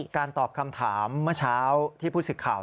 การตอบคำถามเมื่อเช้าที่ผู้สิทธิ์ข่าว